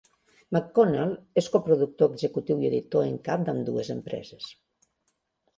McConnell és coproductor executiu i editor en cap d'ambdues empreses.